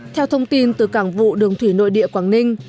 theo thông tin từ cảng vụ đường thủy nội địa quảng ninh